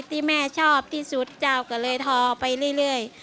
ที่แม่ชอบที่สุดเจ้าก็เลยทอไปเรื่อย